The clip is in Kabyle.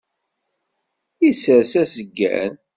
Issers aseggan.